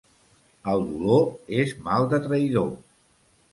El dolor és mal de traïdor.